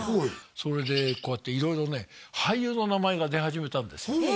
それでこうやって色々ね俳優の名前が出始めたんです